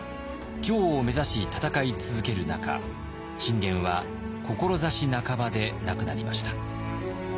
京を目指し戦い続ける中信玄は志半ばで亡くなりました。